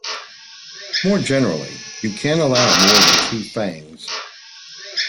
More generally, you can allow more than two fangs.